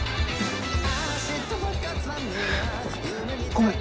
ごめん。